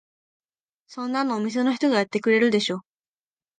そんなのお店の人がやってくれるでしょ。